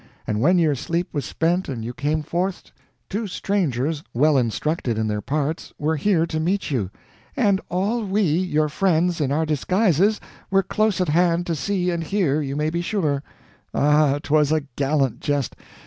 And when your sleep was spent and you came forth, two strangers, well instructed in their parts, were here to meet you; and all we, your friends, in our disguises, were close at hand, to see and hear, you may be sure. Ah, 'twas a gallant jest!